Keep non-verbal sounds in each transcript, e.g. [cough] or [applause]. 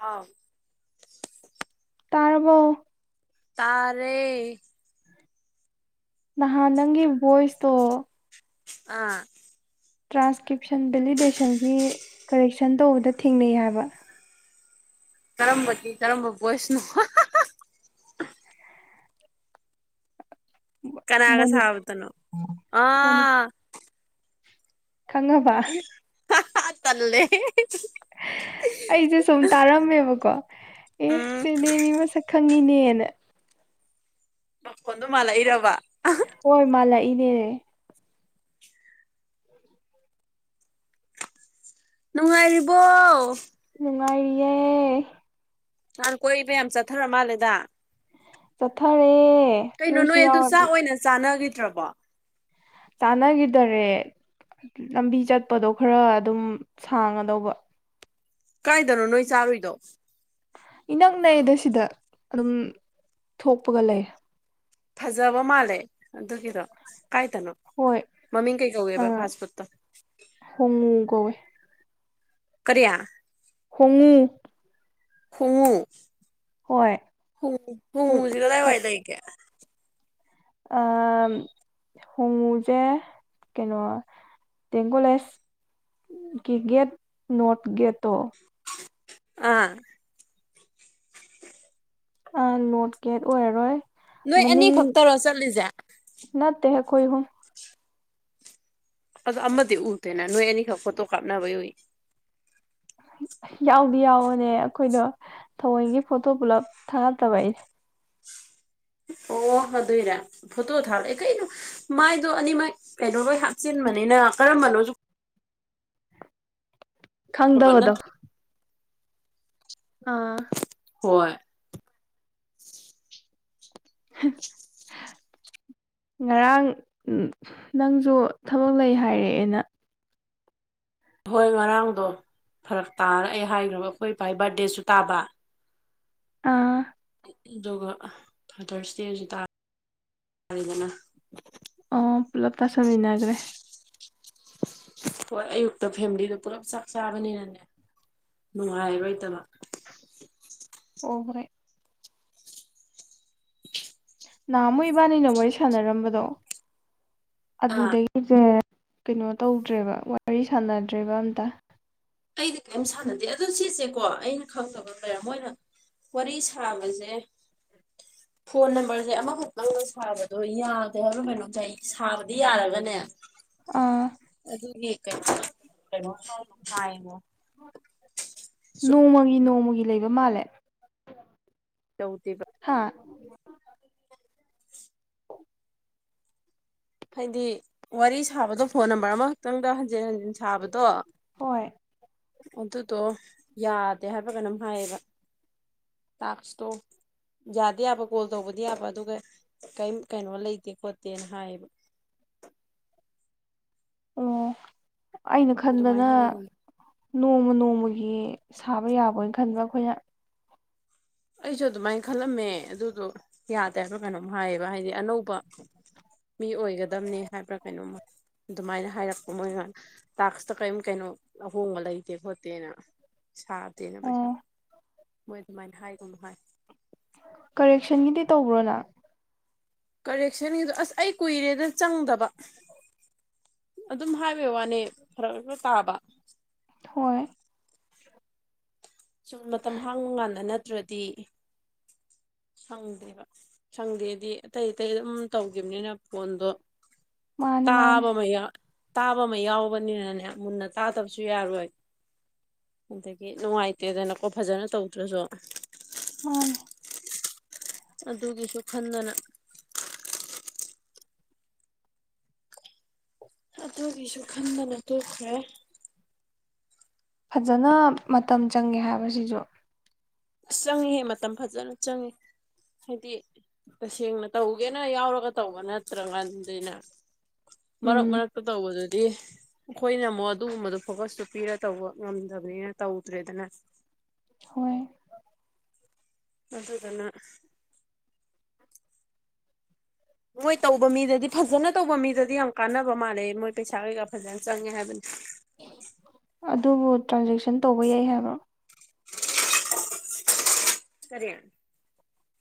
ꯑ ꯄꯥꯔꯕꯣ ꯇꯔꯦ ꯅꯍꯥꯟ ꯅꯪꯒꯤ ꯚꯣꯏꯁꯇꯣ ꯑꯥ ꯇ꯭ꯔꯥꯟꯁꯀ꯭ꯔꯤꯞꯁꯟ ꯚꯦꯂꯤꯗꯦꯁꯟꯒꯤ ꯀꯔꯦꯛꯁꯟ ꯇꯧꯕꯗ ꯊꯦꯡꯅꯩ ꯍꯥꯏꯕ ꯀꯔꯝꯕꯗꯤ ꯀꯔꯝꯕ ꯄꯣꯏꯁꯅꯣ ꯃꯣꯅꯤ ꯀꯅꯥꯒꯁꯥꯎꯇꯅꯣ ꯑ ꯃꯣꯅꯤ ꯈꯪꯉꯕ ꯇꯂꯦ ꯑꯩꯁꯦ ꯁꯨꯝ ꯇꯥꯔꯝꯃꯦꯕꯀꯣ ꯑꯦ ꯎꯝ ꯁꯤꯗꯤ ꯃꯤ ꯃꯁꯛ ꯈꯪꯉꯤꯅꯦꯅ [unintelligible] ꯃꯈꯣꯟ ꯑꯗꯨ ꯃꯥꯂ ꯏꯔꯕꯥ ꯍꯣꯏ ꯃꯥꯜꯂꯥꯛꯏꯅꯦꯅꯦ ꯅꯨꯡꯉꯥꯏꯔꯤꯕꯣ ꯅꯨꯡꯉꯥꯏꯌꯦ ꯅꯥꯟ ꯀꯣꯏꯕ ꯌꯥꯝ ꯆꯠꯊꯔ ꯃꯥꯜꯂꯦꯗ ꯆꯊꯔꯦ ꯀꯩꯅꯣ ꯅꯣꯏ ꯑꯗꯨ ꯆꯥꯛ ꯑꯣꯏꯅ ꯆꯥꯅꯈꯤ ꯆꯇꯔ꯭ꯕꯣ ꯆꯥꯟꯅꯈꯤꯗꯔꯦ ꯂꯝꯕꯤ ꯆꯠꯄꯗꯣ ꯈꯔ ꯑꯗꯨꯝ ꯁꯥꯡꯒꯗꯧꯕ ꯀꯥꯏꯗꯅꯣ ꯅꯣꯏ ꯆꯥꯔꯨꯏꯗꯣ ꯏꯅꯛ ꯅꯩꯗ ꯁꯤꯗ ꯑꯗꯨꯝ ꯊꯣꯛꯄꯒ ꯂꯩ ꯐꯖꯕ ꯃꯥꯜꯂꯦ ꯑꯗꯨꯒꯤꯔꯣ ꯀꯥꯏ ꯇꯅꯣ ꯍꯣꯏ ꯃꯃꯤ ꯀꯩ ꯑ ꯀꯧꯑꯦꯕ ꯐꯥꯁ ꯐꯨꯗ ꯇ ꯍꯣꯡꯉꯨ ꯀꯧꯋꯦ ꯀꯔꯤ ꯐꯣꯡꯉꯨ ꯈꯣꯡꯉꯨ ꯈꯣꯡꯉꯨ ꯍꯣꯡ- ꯀꯗꯥ ꯋꯥꯏ ꯇꯏ ꯀꯦ ꯑ ꯍꯣꯡꯉꯨꯁꯦ ꯀꯩꯅꯣ ꯇꯦꯡꯀꯣꯂꯦꯖꯀꯤ ꯒꯦꯠ ꯅꯣꯔꯠ ꯒꯦꯠꯇꯣ ꯑ ꯑ ꯅꯣꯠ ꯒꯦꯠ ꯑꯣꯏꯔꯔꯣꯏ ꯅꯣꯏ ꯃꯅꯤꯡ ꯑꯅꯤꯈꯛꯇꯔꯣ ꯆꯠꯂꯤꯁꯦ ꯀꯈꯣꯏ ꯍꯨꯝ ꯑꯗꯣ ꯑꯃꯗꯤ ꯊꯅ ꯅꯣꯏ ꯑꯦꯅꯤ ꯍꯥ ꯐꯣ ꯀꯥꯞꯅꯕꯏ ꯌꯥꯎꯗꯤ ꯌꯥꯎꯋꯅꯦ ꯑꯩꯈꯣꯏꯗꯣ ꯊꯑꯣꯣꯏꯒꯤ ꯐꯣꯇꯣ ꯄꯨꯜꯂꯞ ꯊꯥꯒꯠꯇꯕ ꯑꯩꯅꯦ ꯑꯣ ꯑꯗꯨꯏꯔ ꯐꯣꯇꯣ ꯊꯥꯔꯛꯑꯦ ꯀꯩꯅꯣ ꯃꯥꯏꯗꯣ ꯑꯅꯤꯃꯛ ꯀꯩꯅꯣ ꯂꯣꯏ ꯍꯥꯞꯆꯤꯟꯕꯅꯤꯅ ꯀꯔꯝꯕꯅꯣꯁꯨ ꯈꯪꯗꯕ ꯈꯪꯗꯕꯗꯣ ꯅꯠꯇ꯭ꯔ ꯑꯥ ꯍꯣꯏ ꯉꯔꯥꯡ ꯅꯪꯁꯨ ꯊꯕꯛ ꯂꯩ ꯍꯥꯏꯔꯛꯑꯦꯅ ꯍꯣꯏ ꯉꯔꯥꯡꯗꯣ ꯐꯔꯛ ꯇꯥꯔ ꯑꯩ ꯍꯥꯏꯈ꯭ꯔꯕ ꯑꯩꯈꯣꯏ ꯏꯄꯥꯏ ꯕꯥꯔꯗꯦꯁꯨ ꯇꯥꯕ ꯑꯥ ꯑꯗꯨꯒ ꯐꯥꯗꯔꯁꯗꯦꯁꯨ ꯇ ꯌꯥꯔꯦꯗꯅ ꯑꯣ ꯄꯨꯂꯞ ꯇꯥꯁꯃꯤꯟꯅꯈ꯭ꯔꯦ ꯍꯣꯏ ꯑꯌꯨꯛꯇ ꯐꯦꯃꯤꯂꯤꯗ ꯄꯨꯜꯂꯞ ꯆꯥꯛ ꯆꯥꯕꯅꯤꯅꯅꯦ ꯅꯨꯡꯉꯥꯏꯔꯣꯏꯇꯕ ꯑꯣ ꯍꯣꯏ ꯅꯍꯥꯃꯨ ꯏꯕꯥꯅꯤꯅ ꯋꯥꯔꯤ ꯁꯥꯟꯅꯔꯝꯕꯗꯣ ꯑꯥ ꯑꯗꯨꯗꯒꯤꯖ ꯀꯩꯅꯣ ꯇꯧꯗ꯭ꯔꯦꯕ ꯋꯥꯔꯤ ꯁꯥꯟꯅꯗ꯭ꯔꯦꯕ ꯑꯝꯇ ꯑꯩꯗꯤ ꯀꯔꯤꯝ ꯁꯥꯟꯅꯗꯦ ꯑꯗꯨ ꯁꯤꯁꯦꯀꯣ ꯑꯩꯅ ꯈꯪꯗꯕ ꯃ ꯂꯩꯔꯦ ꯃꯣꯏꯅ ꯋꯥꯔꯤ ꯁꯥꯕꯖꯦ ꯐꯣꯟ ꯅꯝꯕꯔꯖꯦ ꯑꯃꯈꯛꯇꯪꯒ ꯁꯥꯕꯗꯣ ꯌꯥꯗꯦ ꯍꯥꯏꯕꯔ ꯀꯩꯅꯣ ꯁꯥꯏ ꯁꯥꯕꯗꯤ ꯌꯥꯔꯒꯅꯦ ꯑꯥ ꯑꯗꯨꯅꯦ ꯀꯩꯅꯣ ꯀꯩꯅꯣꯝ ꯍꯥꯏ ꯍꯥꯏꯉꯣ ꯅꯣꯡꯃꯒꯤ ꯅꯣꯡꯃꯒꯤ ꯂꯩꯕ ꯃꯥꯜꯂꯦ ꯇꯧꯗꯦꯕ ꯍꯥ ꯍꯥꯏꯗꯤ ꯋꯥꯔꯤ ꯁ ꯁꯥꯕꯗꯣ ꯐꯣꯟ ꯅꯝꯕꯔ ꯑꯃꯈꯛꯇꯪꯗ ꯍꯟꯖ ꯍꯟꯖꯟ ꯍꯟꯖꯤꯟ ꯁꯥꯕꯗꯣ ꯍꯣꯏ ꯑꯗꯨꯗꯣ ꯌꯥ ꯗꯦ ꯍꯥꯏꯕꯔ ꯀꯩꯅꯣꯝ ꯍꯥꯏꯌꯦꯕ ꯇꯥꯛꯁꯇꯣ ꯌꯥꯗꯤ ꯌꯥꯕ ꯀꯣꯜ ꯇꯧꯕꯗꯤ ꯌꯥꯕ ꯑꯗꯨꯒ ꯀꯔꯤꯝ ꯀꯩꯅꯣ ꯂꯩꯇꯦ ꯈꯣꯠꯇꯦꯅ ꯍꯥꯏꯌꯦꯕ ꯑꯣ ꯑꯩꯅ ꯈꯟꯕꯅ ꯑꯗꯨꯃꯥꯏꯅ ꯍꯥꯏꯒꯨꯝ ꯅꯣꯡꯃ ꯅꯣꯡꯃꯒꯤ ꯁꯥꯕ ꯌꯥꯕꯣꯏ ꯈꯟꯕ ꯑꯈꯣꯏꯅ ꯑꯩꯁꯨ ꯑꯗꯨꯃꯥꯏ ꯈꯜꯂꯝꯃꯦ ꯑꯗꯨꯗꯨ ꯌꯥꯗꯦ ꯍꯥꯏꯕ ꯀꯩꯅꯣꯝ ꯍꯥꯏꯌꯦꯕ ꯍꯥꯏꯗꯤ ꯑꯅꯧꯕ ꯃꯤ ꯑꯣꯏꯒꯗꯝꯅꯤ ꯍꯥꯏꯕ꯭ꯔꯥ ꯀꯩꯅꯣꯝ ꯃ ꯑꯗꯨꯃꯥꯏꯅ ꯍꯥꯏꯔꯛꯄ ꯃꯣꯏꯅ ꯇꯥꯛꯁꯇ ꯀꯔꯤꯝ ꯀꯩꯅꯣ ꯑꯍꯣꯡꯕ ꯂꯩꯇꯦ ꯈꯣꯠꯇꯦꯅ ꯁꯥꯗꯦꯅ ꯄꯩꯁꯥ ꯑꯣ ꯃꯣꯏ ꯑꯗꯨꯃꯥꯏꯅ ꯍꯥꯏ ꯎꯝꯍꯥꯏ ꯀꯔꯦꯛꯁꯟꯒꯤꯗꯤ ꯇꯧꯕ꯭ꯔꯣ ꯅꯪ ꯀꯔꯦꯛꯁꯟꯒꯤꯗ ꯑꯁ ꯑꯩ ꯀꯨꯏꯔꯦꯗ ꯆꯪꯗꯕ ꯑꯗꯨꯝ ꯍꯥꯏ ꯕꯩ ꯋꯥꯅꯦ ꯐꯔꯛ ꯑꯗꯨꯝ ꯇꯥꯕ ꯍꯣꯏ ꯁꯨꯝ ꯃꯇꯝ ꯍꯥꯡꯕ ꯀꯥꯟꯗ ꯅꯠ ꯇꯔꯗꯤ ꯁꯪꯗꯦꯕ ꯁꯪꯗꯦꯗꯤ ꯑꯇꯩ ꯑꯇꯩ ꯑꯗꯨꯝ ꯇꯧꯒꯤꯝꯅꯤꯅ ꯐꯣꯟꯗꯣ ꯃꯥꯅꯦ ꯃꯥꯅꯦ ꯇꯥꯕꯃꯥ ꯌꯥ ꯇꯥꯕ ꯑꯃ ꯌꯥꯎꯕꯅꯤꯅꯅꯦ ꯃꯨꯟꯅ ꯇꯥꯗꯕꯁꯨ ꯌꯥꯔꯣꯏ ꯑꯗꯒꯤ ꯅꯨꯡꯉꯥꯏꯇꯦꯗꯅꯀꯣ ꯐꯖꯅ ꯇꯧꯗ꯭ꯔꯁꯨ ꯃꯥꯅꯦ ꯑꯗꯨꯒꯤꯁꯨ ꯈꯟꯗꯅ ꯑꯗꯨꯒꯤꯁꯨ ꯈꯟꯗꯅ ꯇꯣꯛꯈ꯭ꯔꯦ ꯐꯖꯅ ꯃꯇꯝ ꯆꯪꯉꯦ ꯍꯥꯏꯕ ꯁꯤꯖꯨ ꯑꯁ ꯆꯪꯉꯤꯍꯦ ꯃꯇꯝ ꯐꯖꯅ ꯆꯪꯉꯤ ꯍꯥꯏꯗꯤ ꯇꯁꯦꯡꯅ ꯇꯧꯒꯦꯅ ꯌꯥꯎꯔꯒ ꯇꯧꯕ ꯅꯠꯇ꯭ꯔ ꯀꯥꯟꯗꯤꯅꯦ ꯃꯔꯛ ꯎꯝ ꯃꯔꯛꯇ ꯇꯧꯕꯖꯤ ꯗꯤ ꯑꯈꯣꯏꯅꯃꯨ ꯑꯗꯨꯒꯨꯝꯕꯗꯨ ꯐꯣꯀꯁꯇꯨ ꯄꯤꯔ ꯇꯧꯕ ꯉꯝꯗꯕꯅꯤꯅ ꯇꯧꯗ꯭ꯔꯦꯗꯅ ꯍꯣꯏ ꯑꯗꯨꯗꯨꯅ ꯃꯣꯏ ꯇꯧꯕ ꯃꯤꯗꯗꯤ ꯐꯖꯅ ꯇꯧꯕ ꯃꯤꯗꯗꯤ ꯌꯥꯝ ꯀꯥꯟꯅꯕ ꯃꯥꯜꯂꯦ ꯃꯣꯏ ꯄꯩꯁꯥ ꯀꯩꯀꯥ ꯐꯖꯅ ꯆꯪꯉꯦ ꯍꯥꯏꯕꯅꯤ ꯑꯗꯨꯕꯨ ꯇ꯭ꯔꯥꯟꯖꯦꯛꯁꯟ ꯇꯧꯕ ꯌꯥꯏ ꯍꯥꯏꯕ꯭ꯔꯣ ꯀꯔꯤ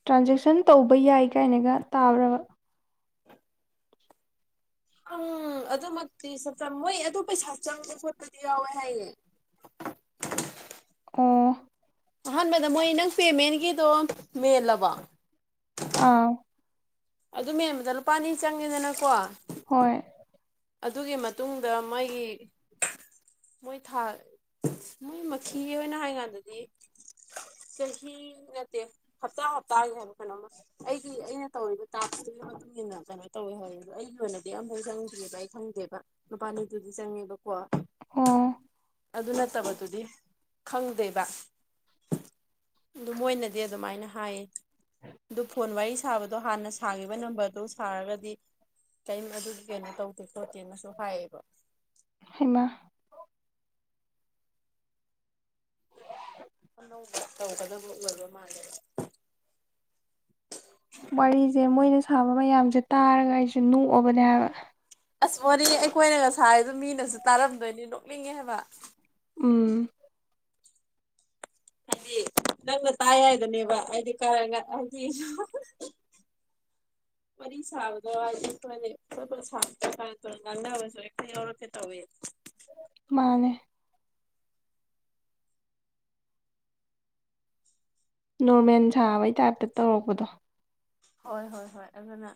ꯇ꯭ꯔꯥꯟꯖꯦꯛꯁꯟ ꯇꯧꯕ ꯌꯥꯏ ꯀꯥꯏꯅꯒ ꯇꯥꯕ꯭ꯔꯕ ꯎꯪ ꯑꯗꯨꯃꯛꯇꯤ ꯆꯞ ꯆꯥꯕ ꯃꯣꯏ ꯑꯗꯨ ꯄꯩꯁꯥ ꯆꯪꯕ ꯈꯣꯠꯄꯗꯤ ꯌꯥꯎꯋꯦ ꯍꯥꯏꯌꯦ ꯑ ꯑꯍꯥꯟꯕꯗ ꯃꯣꯏ ꯅꯪ ꯄꯦꯃꯦꯟꯒꯤꯗꯣ ꯃꯦꯜꯂꯕꯣ ꯑꯥ ꯑꯗꯨ ꯃꯦꯟꯕꯗ ꯂꯨꯄꯥꯅꯤ ꯆꯪꯉꯦꯗꯅꯀꯣ ꯍꯣꯏ ꯑꯗꯨꯒꯤ ꯃꯇꯨꯡꯗ ꯃꯣꯏꯒꯤ ꯃꯣꯏ ꯊꯥ ꯃꯣꯏ ꯃꯈꯤ ꯍꯣꯏꯅ ꯍꯥꯏ ꯀꯥꯟꯗꯗꯤ ꯆꯍꯤ ꯅꯠꯇꯦ ꯍꯞꯇꯥ ꯍꯞꯇꯥꯒꯤ ꯍꯥꯏꯕ ꯀꯩꯅꯣꯝꯃ ꯑꯩꯒꯤ ꯑꯩꯅ ꯇꯧꯔꯤꯕ ꯇꯥꯛꯁꯇꯨꯒꯤ ꯃꯇꯨꯡ ꯏꯟꯅ ꯀꯩꯅꯣ ꯇꯧꯋꯦ ꯍꯥꯏꯌꯦ ꯑꯩꯒꯤ ꯑꯣꯏꯅꯗꯤ ꯑꯝꯐꯧ ꯆꯪꯉꯛꯇꯔꯤꯕ ꯑꯩ ꯈꯪꯗꯦꯕ ꯂꯨꯄꯥꯅꯤꯗꯨꯗꯤ ꯆꯪꯉꯦꯕꯀꯣ ꯑꯣ ꯑꯗꯨ ꯅꯠꯇꯕꯗꯨꯗꯤ ꯈꯪꯗꯦꯕ ꯑꯗꯨ ꯃꯣꯏꯅꯗꯤ ꯑꯗꯨꯃꯥꯏꯅ ꯍꯥꯏꯌꯦ ꯑꯗꯨ ꯐꯣꯟ ꯋꯥꯔꯤ ꯁꯥꯕꯗꯣ ꯍꯥꯟꯅ ꯁꯥꯈꯤꯕ ꯅꯝꯕꯔꯗꯨꯣ ꯁꯥꯔꯒꯗꯤ ꯀꯩꯝ ꯑꯗꯨꯒꯤ ꯀꯩꯅꯣ ꯇꯧ ꯇꯣꯇꯤ ꯑꯃꯁꯁꯨ ꯍꯥꯏꯌꯦꯕ ꯍꯩꯃꯥ ꯑꯅꯧꯕ ꯇꯧꯒꯗꯕ ꯑꯣꯏꯕ ꯃꯥꯜꯂꯦꯕ ꯋꯥꯔꯤꯁꯦ ꯃꯣꯏꯅ ꯁꯥꯕ ꯃꯌꯥꯝꯁꯦ ꯇꯥꯔꯒ ꯑꯩꯁꯨ ꯅꯣꯛꯑꯕꯅꯦ ꯍꯥꯏꯕ ꯑꯁ ꯋꯥꯔꯤ ꯑꯩꯈꯣꯏꯅ ꯁꯥꯔꯤꯗꯣ ꯃꯤꯅꯁꯨ ꯇꯥꯔꯝꯗꯣꯏꯅꯤ ꯅꯣꯛꯅꯤꯡꯉꯦ ꯍꯥꯏꯕ ꯎꯝ ꯍꯥꯏꯗꯤ ꯅꯪꯅ ꯇꯥꯏ ꯍꯥꯏꯗꯨꯅꯦꯕ ꯍꯥꯏꯗꯤ ꯍꯥꯏꯗꯤ ꯋꯥꯔꯤ ꯁꯥꯕꯗꯣ ꯍꯥꯏꯗꯤ ꯁꯥꯕꯗ ꯀꯥꯔꯟ ꯇꯨꯔꯟ ꯉꯥꯡꯅꯕꯁꯨ ꯍꯦꯛꯇ ꯌꯥꯎꯔꯛꯀꯦ ꯇꯧꯋꯦ ꯃꯥꯅꯦ ꯅꯣꯔꯃꯦꯜ ꯁꯥꯕꯩ ꯇꯥꯏꯞꯇ ꯇꯧꯔꯛꯄꯗꯣ ꯍꯣꯏ ꯍꯣꯏ ꯍꯣꯏ ꯑꯗꯨꯅ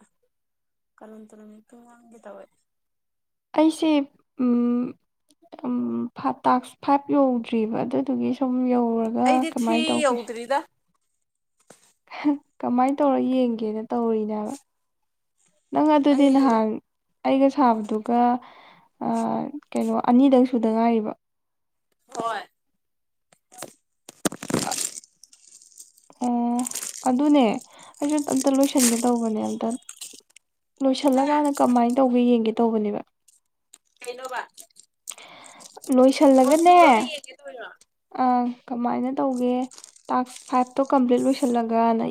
ꯀꯥꯔꯟ ꯇꯨꯔꯟ ꯍꯦꯛꯇ ꯉꯥꯡꯒꯦ ꯇꯧꯋꯦ ꯑꯩꯁꯦ ꯇꯥꯛꯁ ꯐꯥꯏꯚ ꯌꯧꯗ꯭ꯔꯤꯕ ꯑꯗꯨꯗꯨꯒꯤ ꯁꯨꯝ ꯌꯧ ꯄꯨꯔꯒ ꯑꯩꯗꯤ ꯊ꯭ꯔꯤ ꯀꯃꯥꯏꯅ ꯇꯧꯒꯦ ꯌꯧꯗ꯭ꯔꯤꯗ ꯀꯃꯥꯏꯅ ꯇꯧꯔ ꯌꯦꯡꯒꯦꯅ ꯇꯧꯔꯤꯅꯦꯕ ꯅꯪ ꯑꯗꯨꯗꯤ ꯑꯩ ꯅꯍꯥꯟ ꯑꯩꯒ ꯁꯥꯕꯗꯨꯒ ꯀꯩꯅꯣ ꯑꯅꯤꯗꯪ ꯁꯨꯗ ꯉꯥꯏꯔꯤꯕ ꯍꯣꯏ ꯑ ꯑꯗꯨꯅꯦ ꯑꯩꯁꯨ ꯑꯝꯇ ꯂꯣꯏꯁꯟꯒꯦ ꯇꯧꯕꯅꯦ ꯑꯝꯇ ꯍꯥ ꯂꯣꯏꯁꯤꯜꯂꯀꯥꯟꯗ ꯀꯃꯥꯏꯅ ꯇꯧꯒꯦ ꯌꯦꯡꯒꯦ ꯇꯧꯕꯅꯦꯕ ꯀꯩꯅꯣꯕ ꯑꯣ ꯂꯣꯏꯁꯤꯜꯂꯒꯅꯦ ꯁꯨꯔꯒ ꯌꯦꯡꯒꯦ ꯇꯧꯔꯤꯔꯣ ꯑꯪ ꯀꯃꯥꯏꯅ ꯇꯧꯒꯦ ꯇꯥꯛꯁ ꯐꯥꯏꯚꯇꯣ ꯀꯝꯄ꯭ꯂꯤꯠ ꯂꯣꯏꯁꯜꯂꯒ ꯅ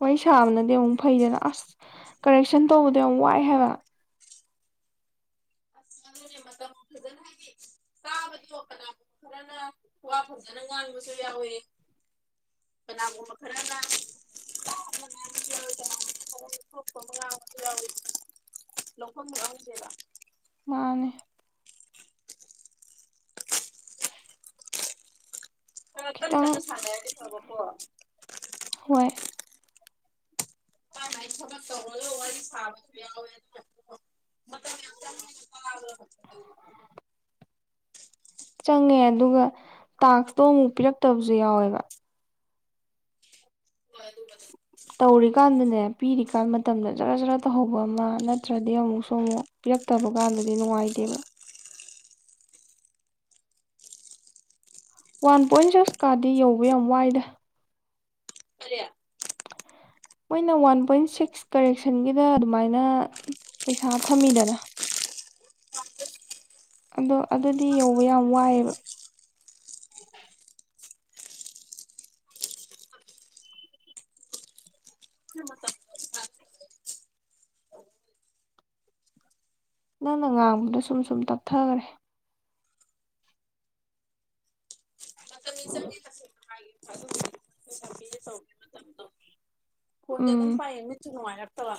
ꯋꯥꯔꯤ ꯁꯥꯕꯅꯗꯤ ꯑꯃꯨꯛ ꯐꯩꯗꯅ ꯑꯁ ꯀꯔꯦꯛꯁꯟ ꯇꯧꯕꯗꯣ ꯌꯥꯝ ꯋꯥꯏ ꯍꯥꯏꯕ ꯑꯁ ꯑꯗꯨꯅꯦ ꯃꯇꯝ ꯐꯖꯅ ꯍꯥꯏꯗꯤ ꯇꯥꯕꯗꯣ ꯀꯅꯥꯒꯨꯝꯕ ꯈꯔꯅ ꯋꯥ ꯐꯖꯅ ꯉꯥꯡꯕꯁꯨ ꯌꯥꯎꯋꯤ ꯀꯅꯥꯒꯨꯝꯕ ꯈꯔꯅ ꯇꯞꯅ ꯉꯥꯡꯕꯁꯨ ꯌꯥꯎꯋꯤ ꯀꯅꯥꯒꯨꯝꯕ ꯈꯔ ꯊꯣꯛꯣꯛꯄ ꯑꯃ ꯉꯥꯡꯕꯁꯨ ꯌꯥꯎꯋꯤ ꯂꯧꯐꯝ ꯈꯪꯗꯦꯕ ꯃꯥꯅꯦ ꯈꯔ ꯀꯟ ꯀꯟꯅ ꯈꯤꯇꯪ ꯁꯥꯅꯥꯔꯗꯤ ꯐꯕ ꯑꯣ ꯍꯣꯏ ꯃꯥꯏ ꯃꯥꯏ ꯊꯕꯛ ꯇꯧꯔ ꯋꯥꯔꯤ ꯁꯥꯕꯁꯨ ꯌꯥꯎꯋꯦ ꯃꯇꯝ ꯌꯥꯝ ꯆꯡꯉꯦ ꯇꯥꯕꯗ ꯆꯪꯉꯦ ꯑꯗꯨꯒ ꯇꯥꯛꯁꯇꯣ ꯑꯃꯨꯛ ꯄꯤꯔꯛꯇꯕꯁꯨ ꯌꯥꯎꯋꯦꯕ ꯍꯣꯏ ꯑꯗꯨꯕꯨꯗꯤ ꯇꯧꯔꯤꯀꯥꯟꯗꯨꯅꯦ ꯄꯤꯔꯤꯀꯥꯟ ꯃꯇꯝꯗ ꯖꯔ ꯖꯔ ꯇꯧꯍꯧꯕ ꯑꯃ ꯅꯠꯇ꯭ꯔꯗꯤ ꯑꯃꯨꯛꯁꯨ ꯑꯃꯨꯛ ꯄꯤꯔꯛꯇꯕ ꯀꯥꯟꯗꯗꯤ ꯅꯨꯡꯉꯥꯏꯇꯦꯕ ꯋꯥꯟ ꯄꯣꯏꯟ ꯁꯤꯛꯁ ꯀꯥꯗꯤ ꯌꯧꯕ ꯌꯥꯝ ꯋꯥꯏꯗ ꯀꯔꯤ ꯃꯣꯏꯅ ꯋꯥꯟ ꯄꯣꯏꯟ ꯁꯤꯛꯁ ꯀꯔꯦꯛꯁꯟꯒꯤꯗ ꯑꯗꯨꯃꯥꯏꯅ ꯄꯩꯁꯥ ꯊꯝꯃꯤꯗꯅ ꯑꯗꯣ ꯑꯗꯨꯗꯤ ꯌꯧꯕ ꯌꯥꯝ ꯋꯥꯏꯑꯦꯕ ꯃꯇꯝꯗꯣ ꯅꯪꯅ ꯉꯥꯡꯕꯗꯣ ꯁꯨꯝ ꯁꯨꯝ ꯇꯞꯊꯒꯔꯦ ꯃꯇꯝꯗꯤ ꯎꯝ ꯆꯪꯉꯦ ꯇꯁꯦꯡꯅ ꯍꯥꯏꯒꯦ ꯑꯗꯨꯕꯨꯗꯤ ꯇꯧꯕꯒꯤ ꯃꯇꯝꯗꯣ ꯑꯗꯨꯝ ꯎꯝ ꯄꯥꯌꯦ ꯃꯤꯠꯁꯨ ꯅꯨꯡꯉꯥꯏꯔꯛꯇꯕ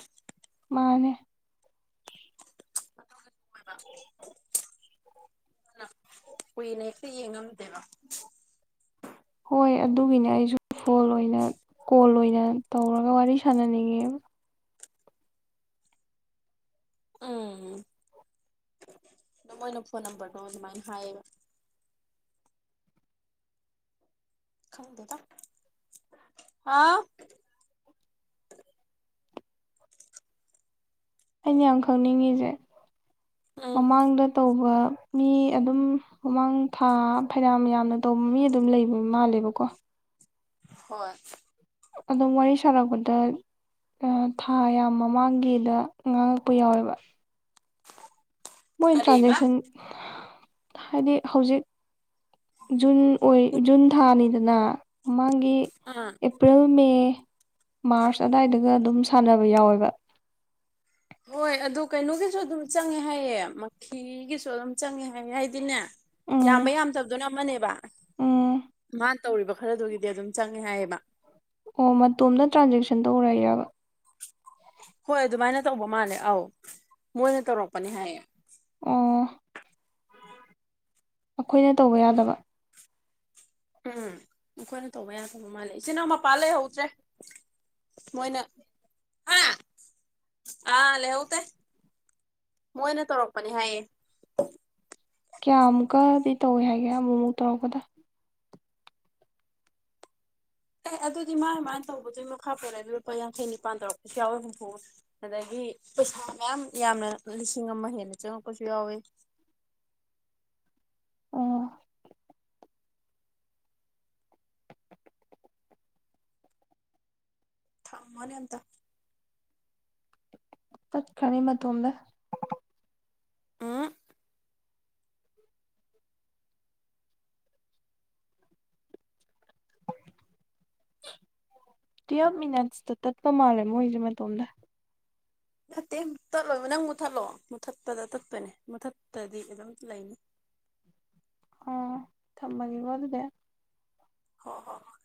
ꯃꯥꯅꯦ ꯑꯣꯏꯕ ꯑꯗꯨꯅ ꯀꯨꯏꯅ ꯍꯦꯛꯇ ꯌꯦꯡꯉꯝꯗꯦꯕ ꯍꯣꯏ ꯑꯗꯨꯒꯤꯅꯦ ꯑꯩꯁꯨ ꯐꯣꯟ ꯑꯣꯏꯅ ꯀꯣꯜ ꯑꯣꯏꯅ ꯇꯧꯔꯒ ꯋꯥꯔꯤ ꯁꯥꯟꯅꯅꯤꯡꯉꯦꯕ ꯑꯗ ꯃꯣꯏꯅ ꯐꯣꯟ ꯅꯝꯕꯔꯗꯣ ꯑꯁꯨꯃꯥꯏꯅ ꯍꯥꯏꯌꯦꯕ ꯍꯥꯥ ꯑꯩꯅ ꯌꯥꯝ ꯈꯪꯅꯤꯡꯉꯤꯁꯦ ꯎꯝ ꯃꯃꯥꯡꯗ ꯇꯧꯕ ꯃꯤ ꯑꯗꯨꯝ ꯃꯃꯥꯡ ꯊꯥ ꯐꯩꯅꯥꯝ ꯌꯥꯝꯅ ꯇꯧꯕ ꯃꯤ ꯑꯗꯨꯝ ꯂꯩꯕ ꯃꯥꯜꯂꯦꯕꯀꯣ ꯍꯣꯏ ꯑꯗꯨꯝ ꯋꯥꯔꯤ ꯁꯥꯔꯛꯄꯗ ꯊꯥ ꯌꯥꯝ ꯃꯃꯥꯡꯒꯤꯗ ꯉꯥꯡꯉꯛꯄ ꯌꯥꯎꯋꯦꯕ ꯃꯣꯏ ꯀꯔꯤꯕ ꯇ꯭ꯔꯥꯟꯖꯦꯛꯁꯟ ꯍꯥꯏꯗꯤ ꯍꯧꯖꯤꯛ ꯖꯨꯟ ꯑꯣꯏ ꯖꯨꯟ ꯊꯥꯅꯤꯗꯅ ꯃꯃꯥꯡꯒꯤ ꯑꯥ ꯑꯦꯄ꯭ꯔꯤꯜ ꯃꯦ ꯃꯥꯔꯁ ꯑꯗꯨꯗꯥꯏꯗꯒ ꯑꯗꯨꯝ ꯁꯥꯟꯅꯕ ꯌꯥꯎꯋꯦꯕ ꯍꯣꯏ ꯑꯗꯨꯗꯣ ꯀꯩꯅꯣꯒꯤꯁꯨ ꯑꯗꯨꯝ ꯆꯪꯉꯦ ꯍꯥꯏꯌꯦꯦ ꯃꯈꯤꯒꯤꯁꯨ ꯑꯗꯨꯝ ꯆꯪꯉꯦ ꯍꯥꯏꯌꯦꯦ ꯍꯥꯏꯗꯤꯅꯦ ꯎꯝ ꯌꯥꯝꯕ ꯌꯥꯝꯗꯕꯗꯣꯏꯅ ꯃꯅꯦꯕ ꯎꯝ ꯃꯥ ꯇꯧꯔꯤꯕ ꯈꯔꯗꯨꯒꯤꯗꯤ ꯑꯗꯨꯝ ꯆꯪꯉꯦ ꯍꯥꯏꯌꯦꯕ ꯑꯣ ꯃꯇꯣꯝꯇ ꯇ꯭ꯔꯥꯟꯖꯦꯛꯁꯟ ꯇꯧꯔꯛꯑꯦꯕ ꯍꯣꯏ ꯑꯗꯨꯃꯥꯏꯅ ꯇꯧꯕ ꯃꯥꯜꯂꯦ ꯑꯧ ꯃꯣꯏꯅ ꯇꯧꯔꯛꯄꯅꯤ ꯍꯥꯏꯌꯦ ꯑꯣ ꯑꯩꯈꯣꯏꯅ ꯇꯧꯕ ꯌꯥꯗꯕ ꯎꯝ ꯃꯈꯣꯏꯅ ꯇꯧꯕ ꯌꯥꯗꯕ ꯃꯥꯜꯂꯦ ꯏꯆꯤꯟꯜ ꯏꯅꯥꯎ ꯃꯄꯥ ꯂꯩꯍꯧꯗ꯭ꯔꯦ ꯃꯣꯏꯅ ꯑꯥ ꯑꯥ ꯂꯩꯍꯧꯗꯦ ꯃꯣꯏꯅ ꯇꯧꯔꯛꯄꯅꯤ ꯍꯥꯏꯌꯦ ꯀꯌꯥꯃꯨꯛꯀꯗꯤ ꯇꯧꯋꯦ ꯍꯥꯏꯒꯦ ꯑꯃꯨꯛ ꯑꯃꯨꯛ ꯇꯧꯔꯛꯄꯗ ꯑꯦ ꯑꯗꯨꯗꯤ ꯃꯥꯅ ꯃꯥꯅ ꯇꯧꯕꯗꯨ ꯃꯈꯥ ꯄꯣꯔꯦ ꯑꯗꯨ ꯂꯨꯄꯥ ꯌꯥꯡꯈꯩ ꯅꯤꯄꯥꯜ ꯇꯧꯔꯛꯄꯁꯨ ꯌꯥꯎꯋꯤ ꯍꯨꯝꯐꯨ ꯑꯗꯒꯤ ꯄꯩꯁꯥ ꯃꯌꯥꯝ ꯌꯥꯝꯅ ꯂꯤꯁꯤꯡ ꯑꯃ ꯍꯦꯟꯅ ꯆꯪꯉꯛꯄꯁꯨ ꯌꯥꯎꯋꯤ ꯑꯣ ꯊꯝꯃꯣꯅꯦ ꯑꯝꯇ ꯆꯠꯈ꯭ꯔꯅꯤ ꯃꯇꯣꯝꯗ ꯎꯝ ꯇꯨꯌꯦꯐ ꯃꯤꯅꯠꯁꯇ ꯇꯠꯄ ꯃꯥꯜꯂꯦ ꯃꯣꯏꯁꯦ ꯃꯇꯣꯝꯗ ꯅꯠꯇꯦ ꯇꯠꯂꯣꯕ ꯅꯪ ꯃꯨꯠꯊꯠꯂꯣ ꯃꯨꯠꯊꯠꯄꯗ ꯇꯠꯄꯅꯦ ꯃꯨꯊꯠꯇꯗꯤ ꯑꯗꯨꯝ ꯂꯩꯅꯤ ꯊꯝꯝꯕꯒ ꯋꯥ ꯑꯗꯨꯗꯦ ꯍꯣ ꯍꯣ ꯍꯣꯏ